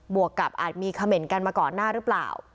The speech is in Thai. วกกับอาจมีเขม่นกันมาก่อนหน้าหรือเปล่า